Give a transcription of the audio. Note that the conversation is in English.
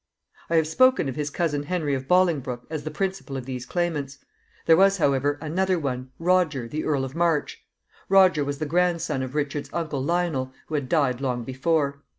I have spoken of his cousin Henry of Bolingbroke as the principal of these claimants. There was, however, another one, Roger, the Earl of March. Roger was the grandson of Richard's uncle Lionel, who had died long before.